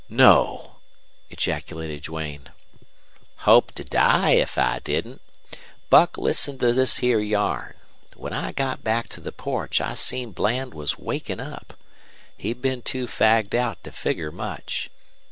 "No!" ejaculated Duane. "Hope to die if I didn't. Buck, listen to this here yarn. When I got back to the porch I seen Bland was wakin' up. He'd been too fagged out to figger much.